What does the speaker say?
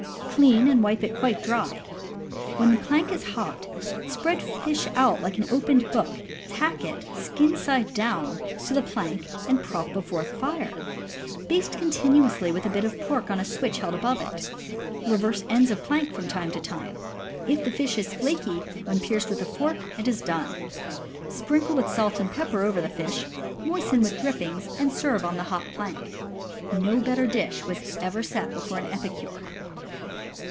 Clean, and wipe it quite dry. When plank is hot, spread fish out like an opened book, tack it, skin side down, to the plank and prop before fire. Baste con tinuously with a bit of pork on a switch held above it. Reverse ends of plank from time to time. If the flesh is flaky when pierced with a fork, it is done. Sprinkle salt and pepper over the fish, moisten with drippings, CAMP COOKERY 137 and serve on the hot plank. No better dish ever was set before an epicure.